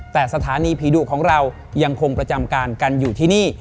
แต่สถานีผีดุของเรายังคงประจำการกันอยู่ที่นี่